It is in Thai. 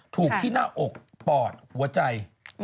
ถูกที่หน้าอกปอดหัวใจ